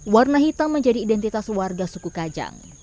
warna hitam menjadi identitas warga suku kajang